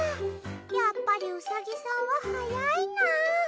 やっぱりうさぎさんは速いなぁ。